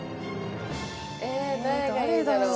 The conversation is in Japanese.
え誰だろう。